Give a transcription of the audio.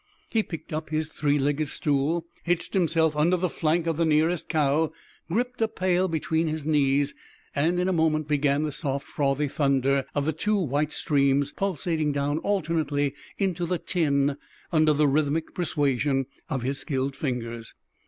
He picked up his three legged stool, hitched himself under the flank of the nearest cow, gripped a pail between his knees, and in a moment began the soft, frothy thunder of the two white streams pulsating down alternately into the tin under the rhythmic persuasion of his skilled fingers.